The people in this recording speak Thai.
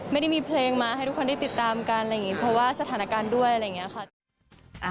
ไม่ได้มีเพลงมาให้ทุกคนได้ติดตามกันอะไรอย่างนี้เพราะว่าสถานการณ์ด้วยอะไรอย่างนี้ค่ะ